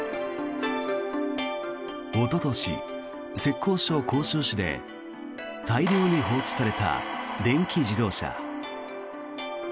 おととし、浙江省杭州市で大量に放置された電気自動車。